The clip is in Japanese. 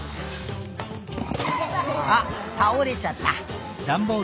あったおれちゃった。